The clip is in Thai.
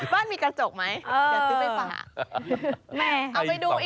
บ้านมีกระจกไหมเดี๋ยวซื้อไปฝ่า